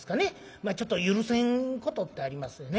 まあちょっと許せんことってありますよね。